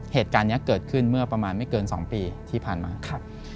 เหตุการณ์นี้เกิดขึ้นเมื่อประมาณไม่เกิน๒ปีที่ผ่านมาครับ